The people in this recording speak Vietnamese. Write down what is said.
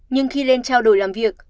nhưng khi lên trao đổi làm việc